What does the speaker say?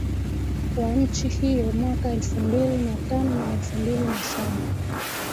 wa nchi hiyo mwaka elfu mbili na tano na elfu mbili na saba